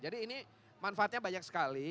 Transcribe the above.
jadi ini manfaatnya banyak sekali